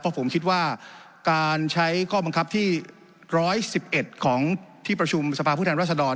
เพราะผมคิดว่าการใช้ข้อบังคับที่๑๑๑ของที่ประชุมสภาพผู้แทนรัศดร